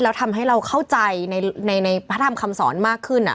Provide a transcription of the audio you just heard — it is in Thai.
แล้วทำให้เราเข้าใจในพระธรรมคำสอนมากขึ้น